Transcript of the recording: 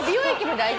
大事。